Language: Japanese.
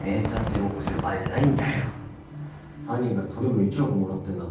ごっこしてる場合じゃない犯人から取り分１億もらってんだぞ